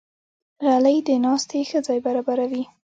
غلۍ د ناستې ښه ځای برابروي.